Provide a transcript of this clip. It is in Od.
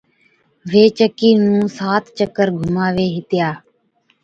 وي چڪِي نُون سات چڪر گھُماوي ھِتيا